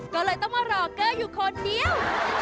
ก็เลยต้องมารอเกอร์อยู่คนเดียว